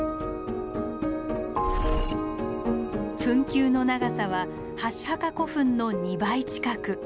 墳丘の長さは箸墓古墳の２倍近く。